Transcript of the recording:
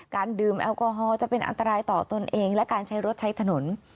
ดื่มแอลกอฮอลจะเป็นอันตรายต่อตนเองและการใช้รถใช้ถนน